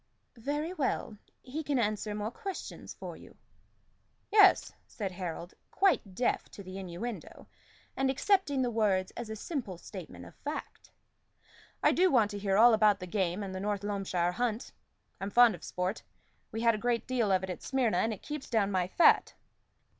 "Very well. He can answer more questions for you." "Yes," said Harold, quite deaf to the innuendo, and accepting the words as a simple statement of the fact. "I want to hear all about the game and the North Loamshire hunt. I'm fond of sport; we had a great deal of it at Smyrna, and it keeps down my fat."